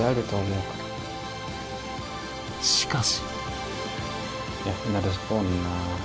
しかし。